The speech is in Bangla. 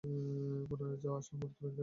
পুনরায় যাও এবং আসল মূর্তি ভেঙ্গে আস।